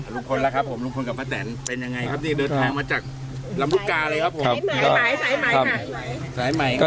ล่ะครับผมลุงพลกับป้าแตนเป็นยังไงครับนี่เดินทางมาจากลำลูกกาเลยครับผม